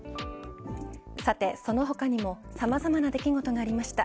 さてその他にもさまざまな出来事がありました。